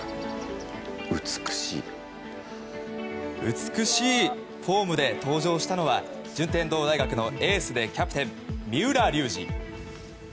美しいフォームで登場したのは順天堂大学のエースでキャプテン三浦龍司。